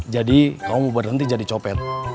jadi kamu baru nanti jadi copet